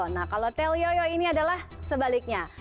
nah kalau tel yoyo ini adalah sebaliknya